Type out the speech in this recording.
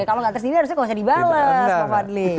kalau gak tersindir harusnya kok gak bisa dibalas pak fadli